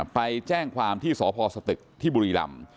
ไปแจ้งความที่สพสตึกที่บุรีรำ